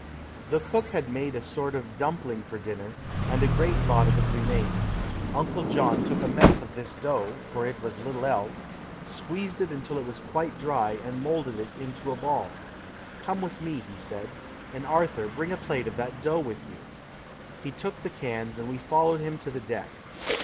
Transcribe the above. The cook had made a sort of dumpling for dinner, and a great lot of it remained. Uncle John took a mess of this dough, for it was little else, squeezed it until it was quite dry and molded it into a ball. "Come with me," he said, "and, Arthur, bring a plate of that dough with you." He took the cans and we followed him to the deck.